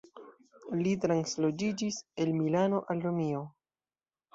Li transloĝiĝis el Milano al Romio.